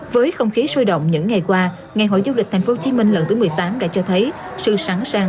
với không khí sôi động những ngày qua ngày hội du lịch tp hcm lần thứ một mươi tám đã cho thấy sự sẵn sàng